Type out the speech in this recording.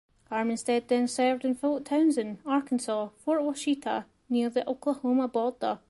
Armistead then served in Fort Towson, Arkansas, Fort Washita near the Oklahoma border.